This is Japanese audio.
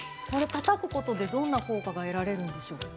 たたくことで、どんな効果が得られるんでしょう。